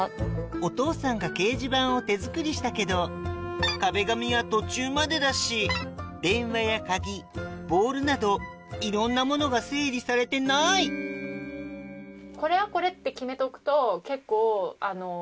お父さんが掲示板を手作りしたけど壁紙は途中までだし電話や鍵ボールなどいろんなものが整理されてない結構。